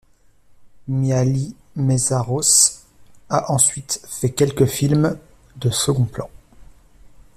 Mihály Mészáros a ensuite fait quelques films de second plan.